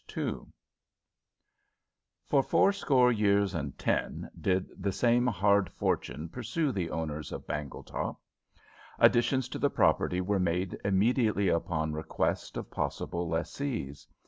II For fourscore years and ten did the same hard fortune pursue the owners of Bangletop. Additions to the property were made immediately upon request of possible lessees.